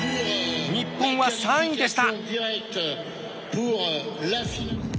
日本は３位でした。